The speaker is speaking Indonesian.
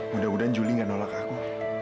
mudah mudahan juli gak nolak aku